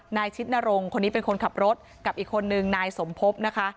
ชิดนรงคนนี้เป็นคนขับรถกับอีกคนนึงนายสมพบนะคะ